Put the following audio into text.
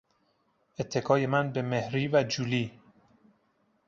اتکای من به مهری و جولی